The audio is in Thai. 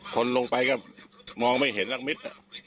คนลงไปก็มองไม่เห็นรักมิตร